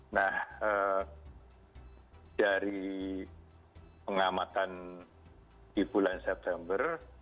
nah dari pengamatan di bulan september